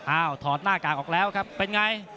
ถอดหน้ากากออกแล้วครับเป็นไง